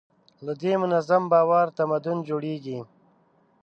له دې منظم باور تمدن جوړېږي.